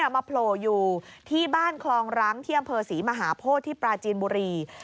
โผล่อยู่ที่บ้านคลองรังที่อำเภอศรีมหาโพธิที่ปราจีนบุรี